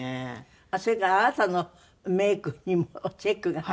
それからあなたのメイクにもチェックが入る？